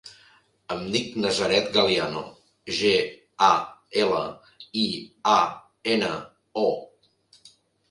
Em dic Nazaret Galiano: ge, a, ela, i, a, ena, o.